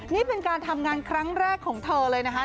นี่เป็นการทำงานครั้งแรกของเธอเลยนะคะ